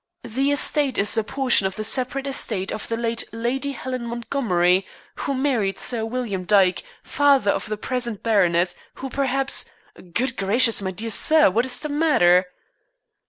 The estate is a portion of the separate estate of the late Lady Helen Montgomery, who married Sir William Dyke, father of the present baronet, who perhaps good gracious, my dear sir, what is the matter?"